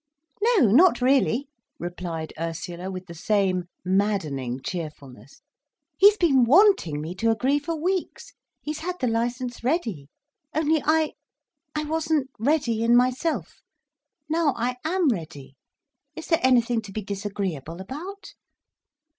"No, not really," replied Ursula, with the same maddening cheerfulness. "He's been wanting me to agree for weeks—he's had the licence ready. Only I—I wasn't ready in myself. Now I am ready—is there anything to be disagreeable about?"